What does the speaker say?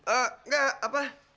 ehh gak apa